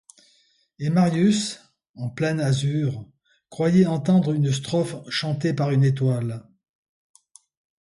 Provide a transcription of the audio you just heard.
Et Marius, en plein azur, croyait entendre une strophe chantée par une étoile.